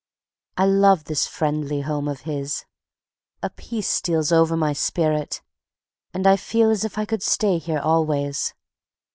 I love this friendly home of his. A peace steals over my spirit, and I feel as if I could stay here always.